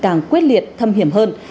càng quyết liệt thâm hiểm hơn